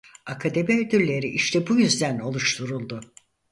Akademi Ödülleri işte bu yüzden oluşturuldu.